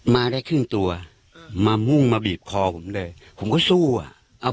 มาได้ครึ่งตัวมามุ่งมาบีบคอผมเลยผมก็สู้อ่ะเอา